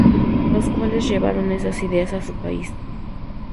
Los cuales llevaron esas ideas a su país.